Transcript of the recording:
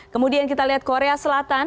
kemudian kita lihat korea selatan